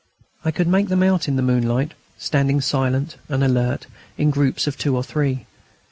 I could make them out in the moonlight, standing silent and alert, in groups of two or three.